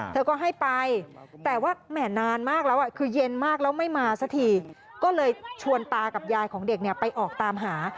เธอก็ให้ไปแต่ว่าแหม่นานมากแล้วคือเย็นมากแล้วไม่มาสักทีก็เลยชวนตากับยายของเด็กเนี่ยไปออกตามหา